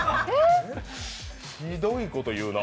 ひどいこと言うな。